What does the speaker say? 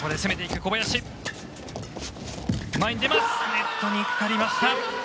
ネットにかかりました。